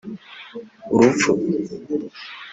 ‘Urupfu’